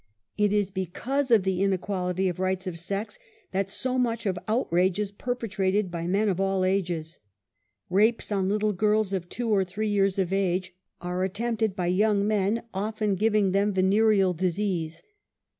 It is because of the inequality of rights of sex, that so much of outrage is perpetrated by men of all ages. Eapes on \little girls of but two or three years of age, are at 16 UNMASKED. tempted by young men often giving them venereal disease.